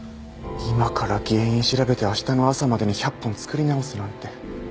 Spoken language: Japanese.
今から原因調べてあしたの朝までに１００本作り直すなんて。